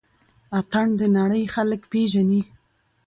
اتڼ د نړۍ خلک پيژني